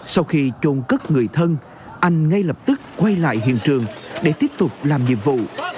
sau khi trôn cất người thân anh ngay lập tức quay lại hiện trường để tiếp tục làm nhiệm vụ